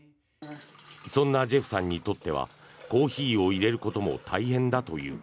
そんなジェフさんにとってはコーヒーを入れることも大変だという。